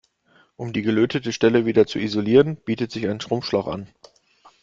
Um die gelötete Stelle wieder zu isolieren, bietet sich ein Schrumpfschlauch an.